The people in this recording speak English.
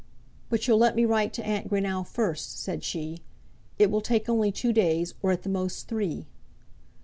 "But you'll let me write to Aunt Greenow first," said she. "It will take only two days, or at the most three?"